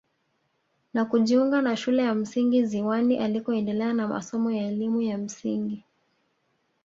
Na kujiunga na shule ya msingi ziwani alikoendelea na masomo ya elimu ya msingi